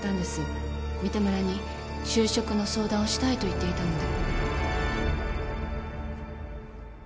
三田村に就職の相談をしたいと言っていたので。